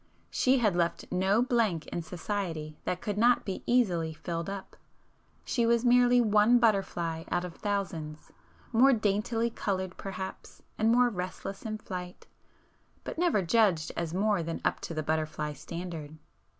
She had left no blank in society that could not be easily filled up,—she was merely one butterfly [p 429] out of thousands, more daintily coloured perhaps and more restless in flight,—but never judged as more than up to the butterfly standard.